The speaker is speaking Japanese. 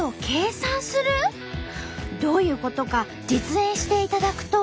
どういうことか実演していただくと。